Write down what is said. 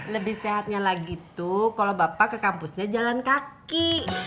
lebih sehatnya lagi tuh kalau bapak ke kampusnya jalan kaki